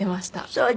そう。